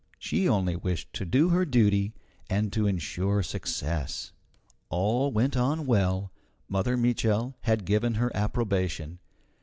She only wished to do her duty and to insure success. All went on well. Mother Mitchel had given her approbation.